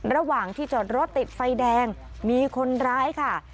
ระหว่างที่จอดรถติดไฟแดงมีคนร้ายค่ะ